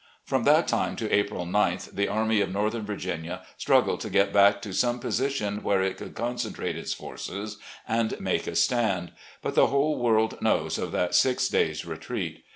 From that time to April 9th the Army of Northern Virginia struggled to get bade to some position where it could concentrate its forces and make a stand; but the whole world knows of that six days' retreat.